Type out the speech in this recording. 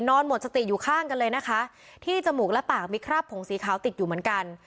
หมดสติอยู่ข้างกันเลยนะคะที่จมูกและปากมีคราบผงสีขาวติดอยู่เหมือนกัน